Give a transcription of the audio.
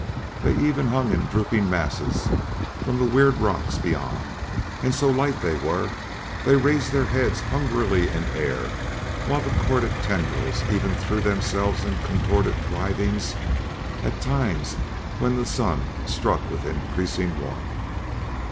They even hung in drooping masses from the weird rocks beyond; and, so light they were, they raised their heads hungrily in air, while the corded tendrils even threw themselves in contorted writhings at times when the Sun struck with increasing warmth.